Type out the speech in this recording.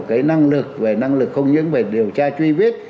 cái năng lực về năng lực không những về điều tra truy vết